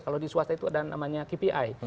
kalau di swasta itu ada namanya kpi